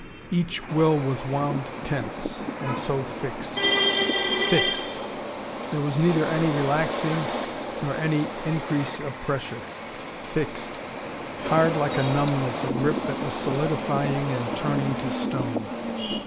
Each will was wound tense, and so fixed. Fixed! There was neither any relaxing or any increase of pressure. Fixed. Hard like a numbness, a grip that was solidifying and turning to stone.